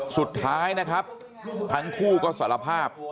สุดท้ายนะครับทั้งคู่ก็สารภาพ